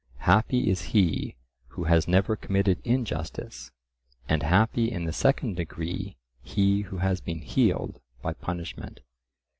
Happy is he who has never committed injustice, and happy in the second degree he who has been healed by punishment.